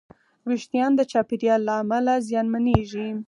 وېښتيان د چاپېریال له امله زیانمنېږي.